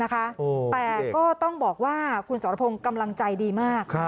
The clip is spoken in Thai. แต่ก็ต้องบอกว่าคุณสรพงศ์กำลังใจดีมาก